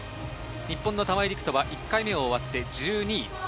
日本の玉井は１回目を終わって１２位。